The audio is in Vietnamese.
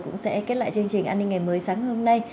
cũng sẽ kết lại chương trình an ninh ngày mới sáng ngày hôm nay